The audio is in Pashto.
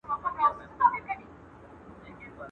وران کې هغه کلي، چي پر گرځي دا نتلي.